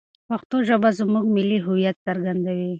پښتو ژبه زموږ ملي هویت څرګندوي.